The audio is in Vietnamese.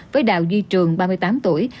với đạo duy trường ba mươi tám tuổi